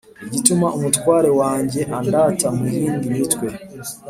igituma umutware wanjye andata mu yindi mitwe,